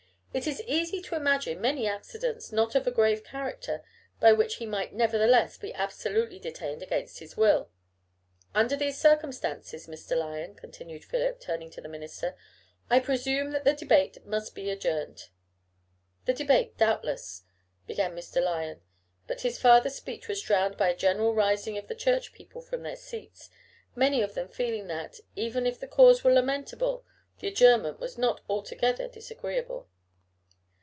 It is easy to imagine many accidents, not of a grave character, by which he might nevertheless be absolutely detained against his will. Under these circumstances, Mr. Lyon," continued Philip, turning to the minister, "I presume that the debate must be adjourned." "The debate, doubtless," began Mr. Lyon; but his farther speech was drowned by a general rising of the Church people from their seats, many of them feeling that, even if the cause were lamentable, the adjournment was not altogether disagreeable.